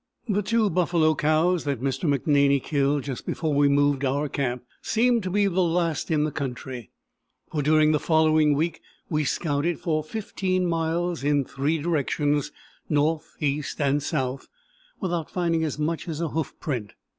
The two buffalo cows that Mr. McNaney killed just before we moved our camp seemed to be the last in the country, for during the following week we scouted for 15 miles in three directions, north, east, and south, without finding as much as a hoof print.